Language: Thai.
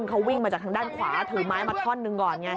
เขาวิ่งมาจากทางด้านขวาถือไม้มาท่อนหนึ่งก่อนไง